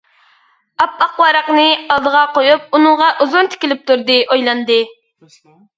ئاپئاق ۋاراقنى ئالدىغا قويۇپ، ئۇنىڭغا ئۇزۇن تىكىلىپ تۇردى، ئويلاندى.